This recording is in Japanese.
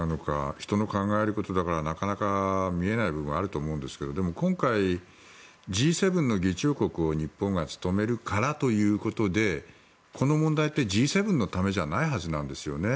人の考えることだからなかなか見えない部分があると思うんですけどでも今回、Ｇ７の議長国を日本が務めるからということでこの問題ってＧ７のためじゃないはずなんですよね。